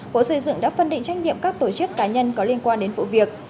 bộ xây dựng đã phân định trách nhiệm các tổ chức cá nhân có liên quan đến vụ việc